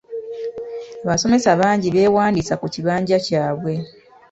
Abasomesa bangi beewandiisa ku kibanja kyabwe.